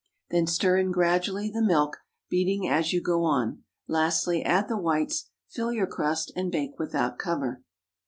Then stir in gradually the milk, beating as you go on; lastly add the whites; fill your crust and bake without cover.